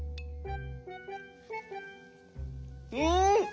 うん！